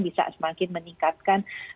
bisa semakin meningkatkan